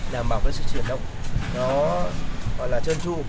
đảm bảo cái sự chuyển động nó gọi là chơn chu